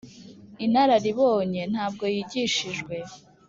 inararibonye ntabwo yigishijwe